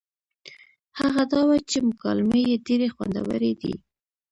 هغه دا وه چې مکالمې يې ډېرې خوندورې دي